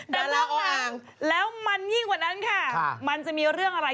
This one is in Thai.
แต่พวกนั้นแล้วมันยิ่งกว่านั้นค่ะมันจะมีเรื่องอะไร